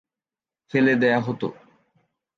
ফেলে দেয়া হতো।